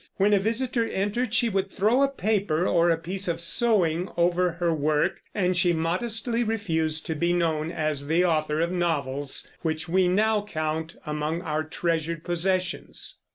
When a visitor entered, she would throw a paper or a piece of sewing over her work, and she modestly refused to be known as the author of novels which we now count among our treasured possessions.